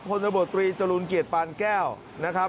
ผลประบบตรีจรุลเกียจปานแก้วนะครับ